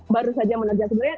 baru saja menerja sebenarnya